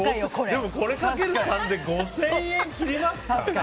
でも、これかける３で５０００円切りますか？